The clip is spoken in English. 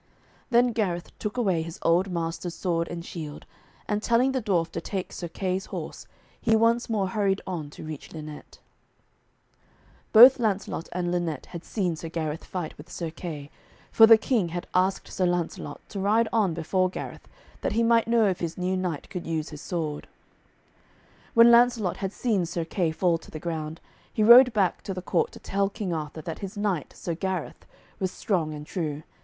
Then Gareth took away his old master's sword and shield, and telling the dwarf to take Sir Kay's horse, he once more hurried on to reach Lynette. Both Lancelot and Lynette had seen Sir Gareth fight with Sir Kay, for the King had asked Sir Lancelot to ride on before Gareth, that he might know if his new knight could use his sword. When Lancelot had seen Sir Kay fall to the ground, he rode back to the court to tell King Arthur that his knight, Sir Gareth, was strong and true.